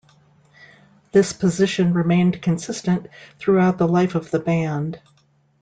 This position remained consistent throughout the life of the band.